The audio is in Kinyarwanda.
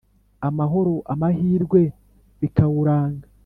amahoro, amahirwe bikawuranga